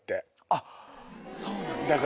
あっそうなのか。